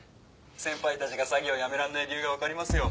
「先輩たちが詐欺をやめらんない理由がわかりますよ」